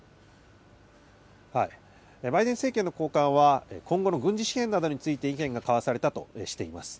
バイデン政権の高官は、今後の軍事支援などについて意見が交わされたとしています。